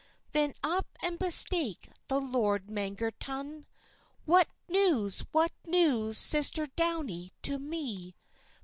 Then up and bespake the lord Mangerton: "What news, what news, sister Downie, to me?"